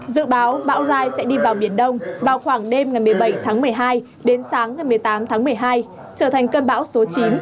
dự báo bão rai sẽ đi vào biển đông vào khoảng đêm ngày một mươi bảy tháng một mươi hai đến sáng ngày một mươi tám tháng một mươi hai trở thành cơn bão số chín